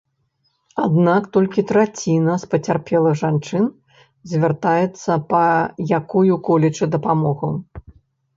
Аднак толькі траціна з пацярпелых жанчын звяртаецца па якую-колечы дапамогу.